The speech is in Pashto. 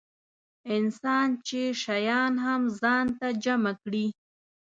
انسان چې شیان هم ځان ته جمع کړي.